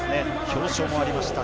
表彰もありました。